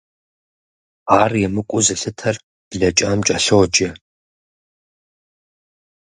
Ар емыкӀуу зылъытэр блэкӀам кӀэлъоджэ.